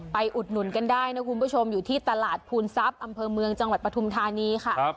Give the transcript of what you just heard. อุดหนุนกันได้นะคุณผู้ชมอยู่ที่ตลาดภูนทรัพย์อำเภอเมืองจังหวัดปฐุมธานีค่ะ